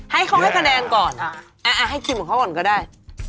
ให้เขาให้คะแนนก่อนให้คิมของเขาก่อนก็ได้